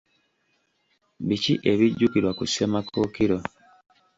Biki ebijjukirwa ku Ssemakookiro?